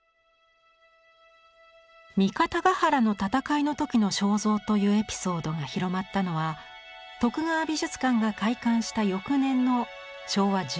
三方ヶ原の戦いの時の肖像というエピソードが広まったのは徳川美術館が開館した翌年の昭和１１年でした。